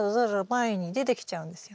前に出てきちゃうんですよ。